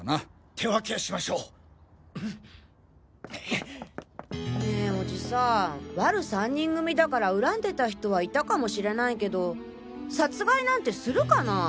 手分けしましょう！！ねぇオジさんワル３人組だから恨んでた人はいたかもしれないけど殺害なんてするかなあ？